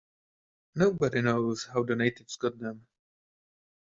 Nobody knows how the natives got them.